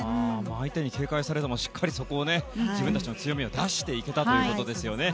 相手に警戒されてもしっかりと自分たちの強みを出していけたということですね。